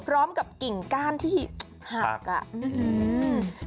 พร้อมกับกิ่งก้านที่หักอ่ะอืม